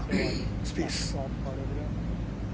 スピース。